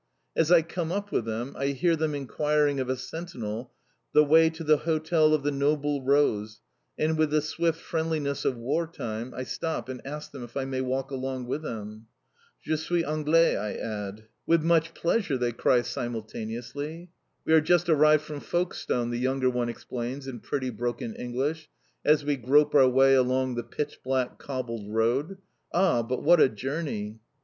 As I come up with them I hear them enquiring of a sentinel the way to the Hotel de Noble Rose, and with the swift friendliness of War time I stop and ask if I may walk along with them. "Je suis Anglais!" I add. "Avec beaucoup de plaisir!" they cry simultaneously. "We are just arrived from Folkestone," the younger one explains in pretty broken English, as we grope our way along the pitch black cobbled road. "Ah! But what a journey!"